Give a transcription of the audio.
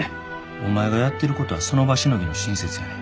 お前がやってることはその場しのぎの親切やねん。